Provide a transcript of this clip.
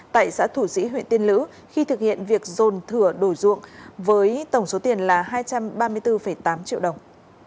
tại xã thủ sĩ huyện tiên lữ khi thực hiện việc dồn thửa đổi ruộng với tổng số tiền là hai trăm ba mươi bốn tám triệu đồng